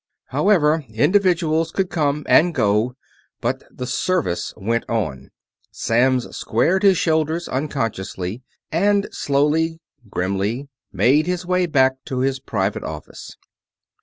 However, individuals could come and go, but the Service went on. Samms squared his shoulders unconsciously; and slowly, grimly, made his way back to his private office.